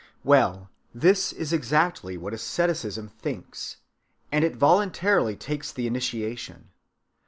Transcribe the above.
Well, this is exactly what asceticism thinks; and it voluntarily takes the initiation.